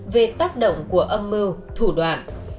về tác động của âm mưu thủ đoạn